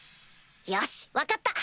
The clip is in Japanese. よし分かった！